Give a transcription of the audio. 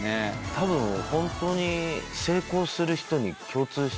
たぶんホントに。